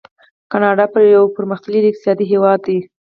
کاناډا یو پرمختللی اقتصادي هیواد دی.